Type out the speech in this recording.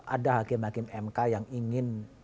ada hakim hakim mk yang ingin